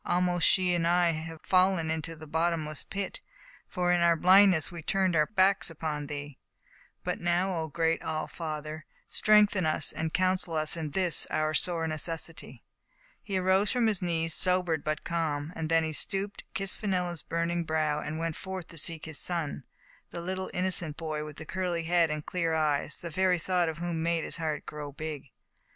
Almost she and I have fallen into a bottomless pit ; for in our blindness we turned our backs upon thee, Digitized by Google 15^ tMe fate of PeJvella, but now, oh, great All Father, strengthen us and counsel us in this, our sore necessity." He arose from his knees, sobered but calm. Then he stooped, kissed Fenella's burning brow, and went forth to seek his son — the little, inno cent boy, with the curly head and clear eyes, the very thought of whom made his heart grow big.